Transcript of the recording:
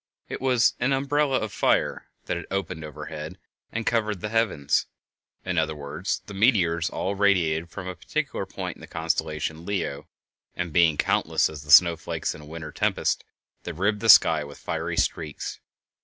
It was an umbrella of fire that had opened overhead and covered the heavens; in other words, the meteors all radiated from a particular point in the constellation Leo, and, being countless as the snowflakes in a winter tempest, they ribbed the sky with fiery streaks.